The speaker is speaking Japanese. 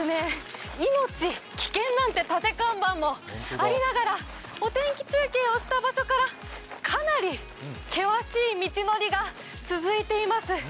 「命危険」なんて立て看板もありながら、お天気中継をした場所からかなり険しい道のりが続いています。